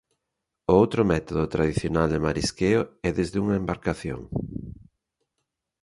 O outro método tradicional de marisqueo é desde unha embarcación.